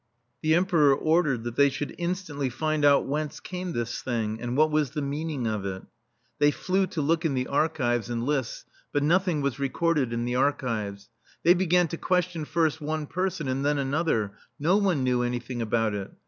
The Emperor ordered that they should instantly find out whence came this thing, and what was the meaning of it. They flew to look in the archives and [H] THE STEEL FLEA lists, but nothing was recorded in the archives. They began to question first one person and then another — no one knew anything about it.